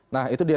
nah itu dia